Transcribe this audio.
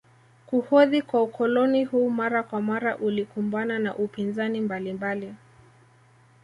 Kuhodhi kwa ukoloni huu mara kwa mara ulikumbana na upinzani mbalimbali